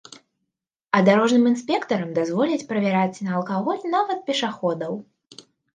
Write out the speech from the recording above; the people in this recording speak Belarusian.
А дарожным інспектарам дазволяць правяраць на алкаголь нават пешаходаў.